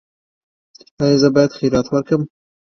ایا زه باید خیرات ورکړم؟